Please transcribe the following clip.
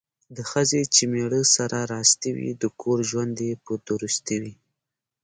د ښځې چې میړه سره راستي وي ،د کور ژوند یې په درستي وي.